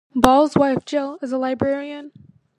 Ball's wife Jill is a librarian.